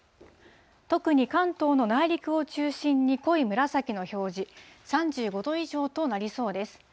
特に関東の内陸を中心に濃い紫の表示、３５度以上となりそうです。